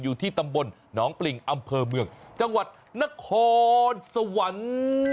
อยู่ที่ตำบลหนองปริงอำเภอเมืองจังหวัดนครสวรรค์